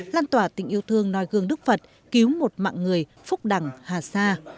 lan tỏa tình yêu thương noi gương đức phật cứu một mạng người phúc đẳng hạ xa